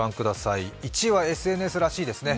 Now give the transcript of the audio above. １位はＳＮＳらしいですね。